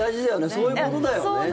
そういうことだよね。